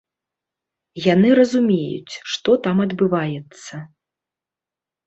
Яны разумеюць, што там адбываецца.